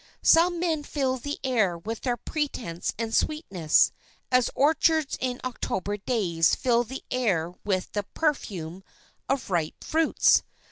Some men fill the air with their presence and sweetness, as orchards in October days fill the air with the perfume of ripe fruits.